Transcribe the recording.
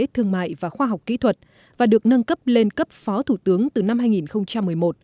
thương mại và khoa học kỹ thuật và được nâng cấp lên cấp phó thủ tướng từ năm hai nghìn một mươi một